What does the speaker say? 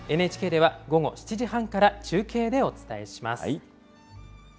ＮＨＫでは午後７時半から中継でお伝えします。